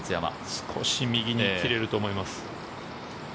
少し右に切れると思います。